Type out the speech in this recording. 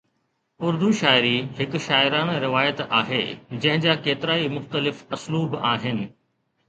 اردو شاعري هڪ شاعرانه روايت آهي جنهن جا ڪيترائي مختلف اسلوب آهن.